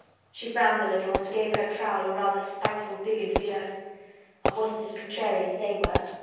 She frowned a little and gave her trowel a rather spiteful dig into the earth. "I wasn't as contrary as they were."